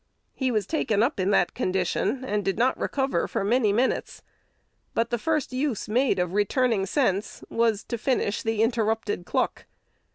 He was taken up in that condition, and did not recover for many minutes; but the first use made of returning sense was to finish the interrupted "cluck."